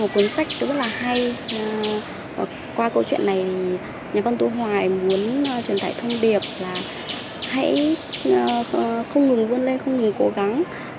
không ngừng vươn lên không ngừng cố gắng